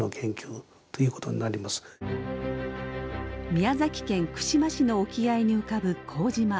宮崎県串間市の沖合に浮かぶ幸島。